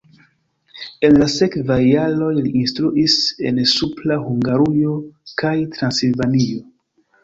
En la sekvaj jaroj li instruis en Supra Hungarujo kaj Transilvanio.